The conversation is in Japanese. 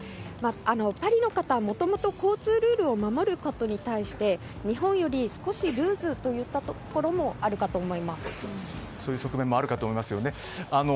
パリの方は、もともと交通ルールを守ることに対して日本より少しルーズといったところもあるかとそういう側面もあると思います。